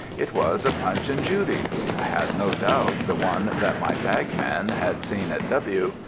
It was a Punch and Judy I had no doubt the one that my bagman had seen at W